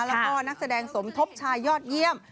แล้วก็นักแสดงสมทบชายยอดเยี่ยม